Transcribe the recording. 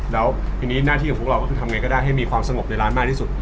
แล้วทีนี้หน้าที่ของพวกเราก็คือทำไงก็ได้ให้มีความสงบในร้านมากที่สุด